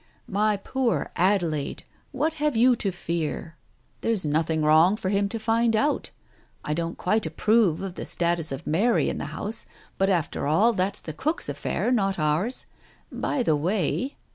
" My popr Adelaide, what have you to fear ? There's Digitized by Google ■ THE TIGER SKIN 291 nothing wrong for him to find out; I don't quite approve of the status of Mary in the house, but after all that's the cook's affair, not ours. ... By the way.